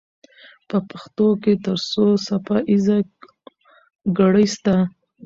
په پښتو کې تر څو څپه ایزه ګړې سته؟